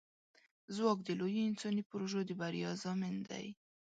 ځواک د لویو انساني پروژو د بریا ضامن دی.